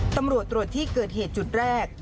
ตำรวจตรวจที่เกิดเหตุจุดแรก